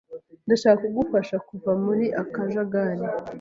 Ndashaka kugufasha kuva muri akajagari.